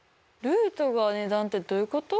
ルートが値段ってどういうこと？